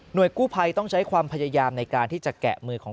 โดยกู้ภัยต้องใช้ความพยายามในการที่จะแกะมือของ